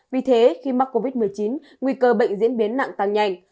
vì thế khi mắc covid một mươi chín nguy cơ bệnh diễn biến nặng tăng nhanh